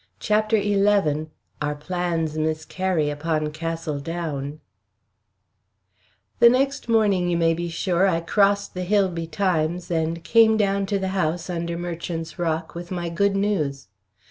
CHAPTER XI OUR PLANS MISCARRY UPON CASTLE DOWN The next morning, you may be sure, I crossed the hill betimes, and came down to the house under Merchant's Rock with my good news.